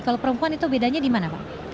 kalau perempuan itu bedanya di mana pak